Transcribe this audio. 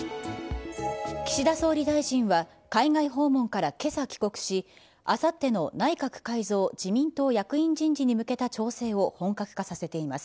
岸田総理大臣は、海外訪問からけさ帰国し、あさっての内閣改造・自民党役員人事に向けた調整を本格化させています。